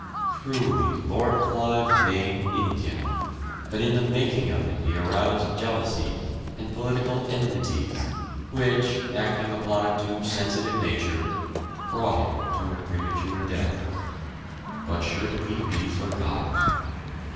Truly Lord Clive made India, but in the making of it he aroused jealousies and political enmities which, acting upon a too sensitive nature, brought him to a premature death. But should he be forgotten?